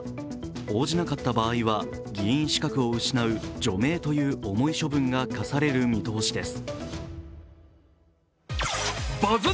応じなかった場合は、議員資格を失う除名という重い処分が科される見通しです。